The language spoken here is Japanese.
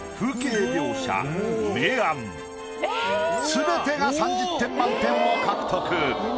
全てが３０点満点を獲得。